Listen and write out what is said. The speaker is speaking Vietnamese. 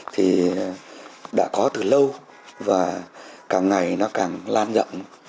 thì đã có từ lâu và càng ngày nó càng lan rộng